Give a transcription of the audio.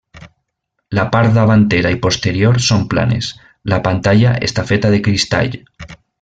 La part davantera i posterior són planes, la pantalla està feta de cristall.